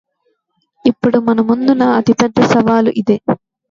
ఇప్పుడు మన ముందున్న అతి పెద్ద సవాలు ఇదే